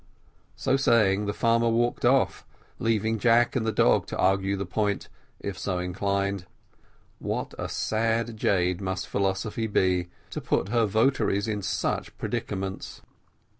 So saying, the farmer walked off, leaving Jack and the dog to argue the point, if so inclined. What a sad jade must philosophy be, to put her votaries in such predicaments!